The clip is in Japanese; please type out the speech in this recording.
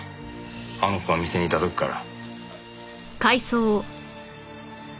あの子が店にいた時から。